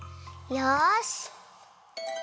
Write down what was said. よし！